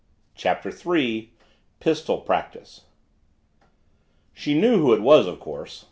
CHAPTER THREE PISTOL PRACTICE She knew who it was, of course.